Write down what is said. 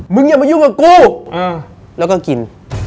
อย่ามายุ่งกับกูแล้วก็กิน